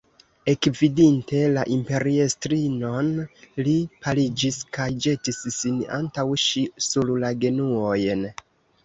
Ekvidinte la imperiestrinon, li paliĝis kaj ĵetis sin antaŭ ŝi sur la genuojn.